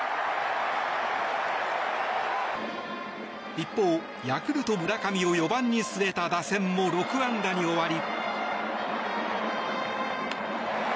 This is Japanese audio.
一方、ヤクルト、村上を４番に据えた打線も６安打に終わり。